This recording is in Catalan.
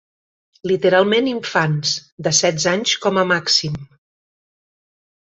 Literalment infants, de setze anys com a màxim.